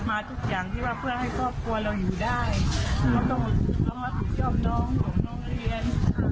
มาทุกอย่างที่ว่าเพื่อให้ครอบครัวเราอยู่ได้เราต้องรับผิดชอบน้องของน้องเรียน